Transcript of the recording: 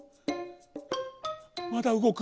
まだうごく？